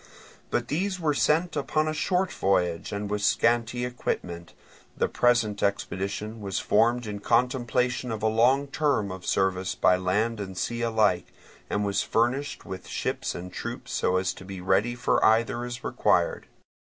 But these were sent upon a short voyage and with a scanty equipment. The present expedition was formed in contemplation of a long term of service by land and sea alike, and was furnished with ships and troops so as to be ready for either as required.